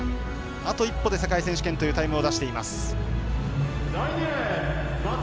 あと一歩で世界選手権というタイムを出しています。